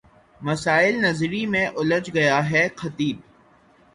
مسائل نظری میں الجھ گیا ہے خطیب